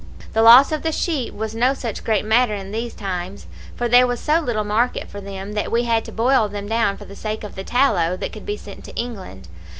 The loss of the sheep was no such great matter in these times, for there was so little market for them, that we had to boil them down for the sake of the tallow that could be sent to England.